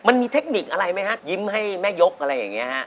เทคนิคอะไรไหมฮะยิ้มให้แม่ยกอะไรอย่างนี้ฮะ